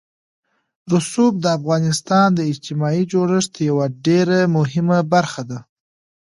رسوب د افغانستان د اجتماعي جوړښت یوه ډېره مهمه برخه ده.